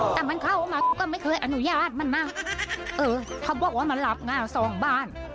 แต่มันเข้ามาเขาก็ไม่เคยอนุญาตมันนะเออเขาบอกว่ามันหลับอ่ะสองบ้าน